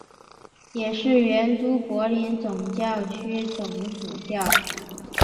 也是原都柏林总教区总主教。